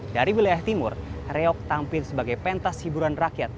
dari wilayah timur reok tampil sebagai pentas hiburan rakyat